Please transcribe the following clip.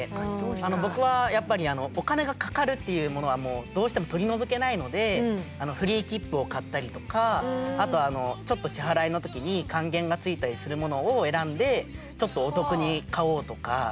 僕は、やっぱりお金がかかるっていうものはもうどうしても取り除けないのでフリー切符を買ったりとかあと、ちょっと支払いの時に還元が付いたりするものを選んでちょっとお得に買おうとか。